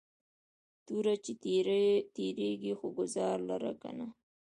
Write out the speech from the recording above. توره چې تیرېږي خو گزار لره کنه